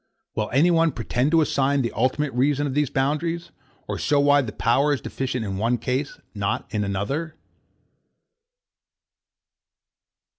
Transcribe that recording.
Will any one pretend to assign the ultimate reason of these boundaries, or show why the power is deficient in one case, not in another.